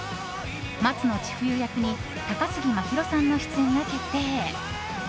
松野千冬役に高杉真宙さんの出演が決定。